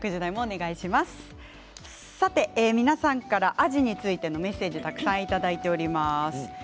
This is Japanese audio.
皆さんからアジについてのメッセージをいただいています。